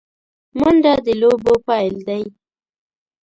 منډه د لوبو پیل دی